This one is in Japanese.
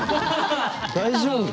大丈夫？